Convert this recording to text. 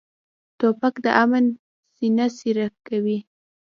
توپک د امن سینه څیرې کوي.